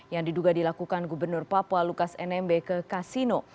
yang diduga dilakukan gubernur papua lukas nmb ke kasino